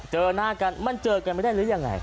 เจอหน้ากันมันเจอกันไม่ได้หรือยังไง